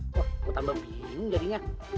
wah mau tambah bingung jadinya